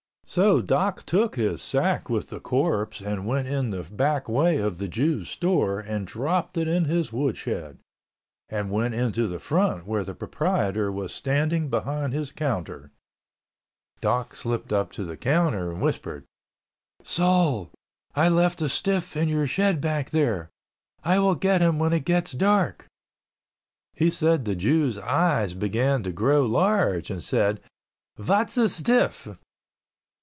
So Doc took his sack with the corpse and went in the back way of the Jew's store and dropped it in his woodshed, and went into the front where the proprietor was standing behind his counter. Doc slipped up to the counter and whispered, "Sol, I left a stiff in your shed back there. I will get him when it gets dark." He said the Jew's eyes began to grow large and said, "Vat's a stiff?"